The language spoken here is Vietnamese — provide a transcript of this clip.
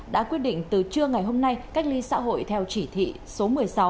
đã quyết định từ trưa ngày hôm nay cách ly xã hội theo chỉ thị số một mươi sáu